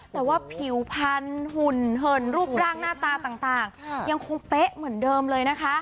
แต่ว่าผิวผันหุ่นรูปรังหน้าตาต่างยังคงเป๊ะเหมือนเดิมเลย